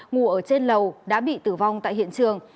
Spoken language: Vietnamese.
ngủ ở trên lầu đã bị tử vong tại hiện trường